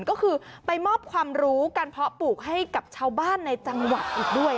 ก็คือไปมอบความรู้การเพาะปลูกให้กับชาวบ้านในจังหวัดอีกด้วย